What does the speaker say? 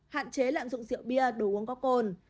hạn chế lạm dụng rượu bia đồ uống có cồn